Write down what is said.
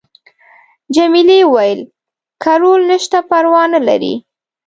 جميلې وويل:: که رول نشته پروا نه لري.